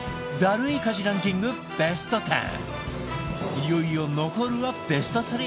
いよいよ残るはベスト３